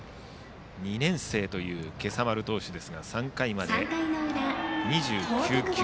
２年生という今朝丸投手ですが３回まで２９球。